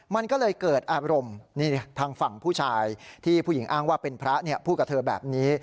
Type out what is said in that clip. มันก็เลยเกิดอารมณ์นี่ทางฝั่งผู้ชายที่ผู้หญิงอ้างว่าเป็นพระพูดกับเธอแบบนี้